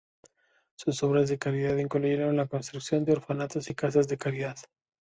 Sus obras de caridad incluyeron la construcción de orfanatos y casas de caridad.